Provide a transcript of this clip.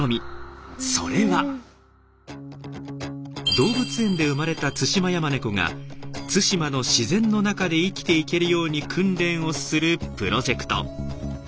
動物園で生まれたツシマヤマネコが対馬の自然の中で生きていけるように訓練をするプロジェクト。